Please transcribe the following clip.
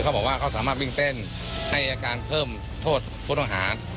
เขาบอกว่าเขาสามารถวิ่งเต้นให้อาการเพิ่มโทษผู้ต้องหา